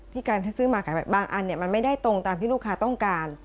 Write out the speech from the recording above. การที่ซื้อมาบางอันมันไม่ได้ตรงตามที่ลูกค้าต้องการ